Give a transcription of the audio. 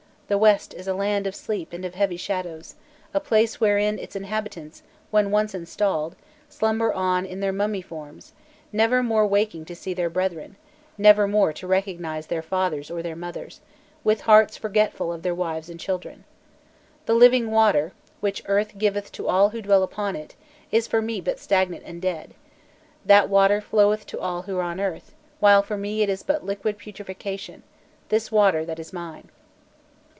The West is a land of sleep and of heavy shadows, a place wherein its inhabitants, when once installed, slumber on in their mummy forms, never more waking to see their brethren; never more to recognize their fathers or their mothers, with hearts forgetful of their wives and children. The living water, which earth giveth to all who dwell upon it, is for me but stagnant and dead; that water floweth to all who are on earth, while for me it is but liquid putrefaction, this water that is mine.